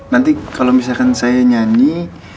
nanti kalau misalkan saya nyanyi